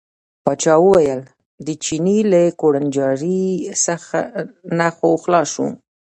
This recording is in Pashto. پاچا وویل د چیني له کوړنجاري نه خو خلاص شو.